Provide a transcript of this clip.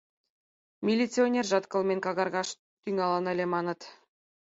Милиционержат кылмен какаргаш тӱҥалын ыле, маныт.